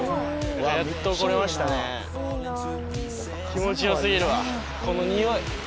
気持ち良過ぎるわこのにおい。